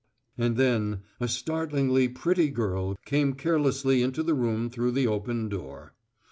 And then a startlingly pretty girl came carelessly into the room through the open door.